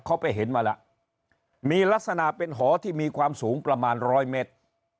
เขาไปเห็นมาแล้วมีลักษณะเป็นหอที่มีความสูงประมาณร้อยเมตร